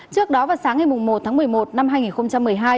trước đó vào sáng ngày một tháng một mươi một năm hai nghìn một mươi hai